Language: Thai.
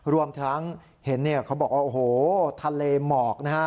รวมทั้งเห็นเนี่ยเขาบอกว่าโอ้โหทะเลหมอกนะฮะ